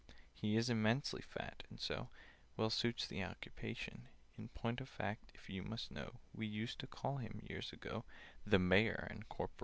"He is immensely fat, and so Well suits the occupation: In point of fact, if you must know, We used to call him years ago, The Mayor and Corporation!